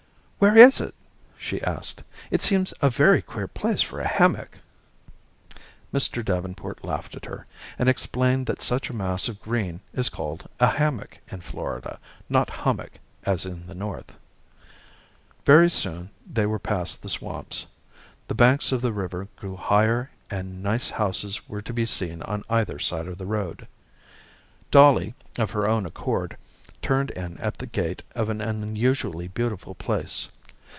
"Where is it?" she asked. "It seems a very queer place for a hammock." Mr. Davenport laughed at her, and explained that such a mass of green is called a hammock in Florida, not hummock as in the North. Very soon they were past the swamps. The banks of the river grew higher and nice houses were to be seen on either side of the road. Dolly, of her own accord, turned in at the gate of an unusually beautiful place.